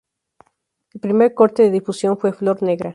El primer corte de difusión fue "Flor negra".